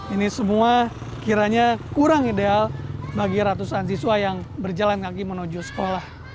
ini semua kiranya kurang ideal bagi ratusan siswa yang berjalan kaki menuju sekolah